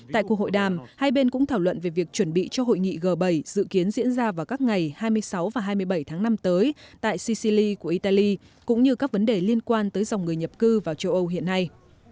tại cuộc hội đàm hai bên cũng thảo luận về việc chuẩn bị cho hội nghị g bảy dự kiến diễn ra vào các ngày hai mươi sáu và hai mươi bảy tháng năm tới tại sicili của italy cũng như các vấn đề liên quan tới dòng người nhập cư vào châu âu hiện nay